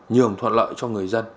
nhường thuận lợi cho người dân